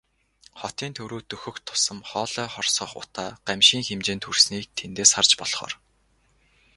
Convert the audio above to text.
Хотын төв рүү дөхөх тусам хоолой хорсгох утаа гамшгийн хэмжээнд хүрснийг тэндээс харж болохоор.